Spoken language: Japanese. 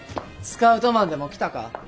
スカウトマンでも来たか？